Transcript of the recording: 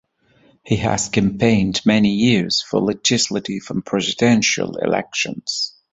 He has campaigned many years for legislative and presidential elections.